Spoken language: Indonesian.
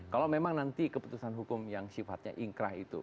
kalau memang nanti keputusan hukum yang sifatnya ingkrah itu